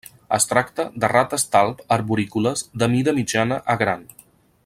Es tracta de rates talp arborícoles de mida mitjana a gran.